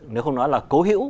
nếu không nói là cấu hiểu